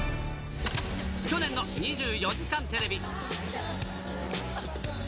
去年の２４時間テレビ。